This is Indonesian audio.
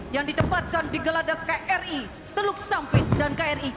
yang ditempatkan di geladak kri teluk sampit dan kri